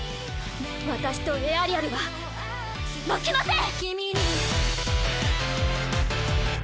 私とエアリアルは負けません！